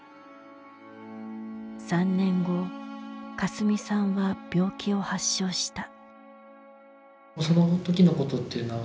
３年後かすみさんは病気を発症した。